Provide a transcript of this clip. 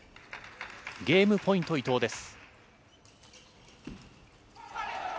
ゲームポイント、伊藤です。